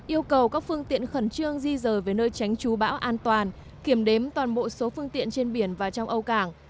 yêu cầu các phương tiện khẩn trương di rời về nơi tránh trú bão an toàn kiểm đếm toàn bộ số phương tiện trên biển và trong âu cảng